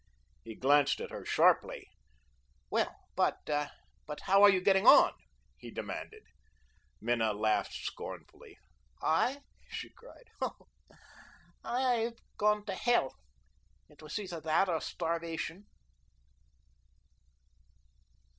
He glanced at her sharply. "Well, but but how are you getting on?" he demanded. Minna laughed scornfully. "I?" she cried. "Oh, I'VE gone to hell. It was either that or starvation."